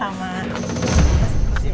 ada kamar mandi nggak di dekat sini